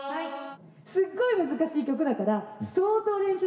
すっごい難しい曲だから相当練習しないと。